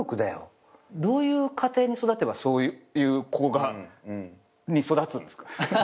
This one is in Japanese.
どういう家庭に育てばそういう子に育つんですか？